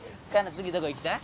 次どこ行きたい？